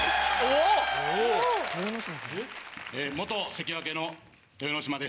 関脇の豊ノ島です。